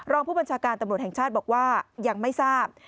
รองผู้บัญชาการตำรวจแห่งชาติบอกว่ายังไม่ทราบ